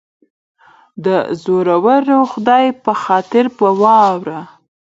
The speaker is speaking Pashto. دزورور خدای په خاطر یه واوره